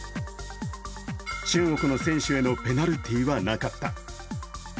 中国の選手へのペナルティーはなかった。